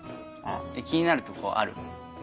気になるとこある？